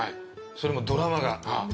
それもドラマが。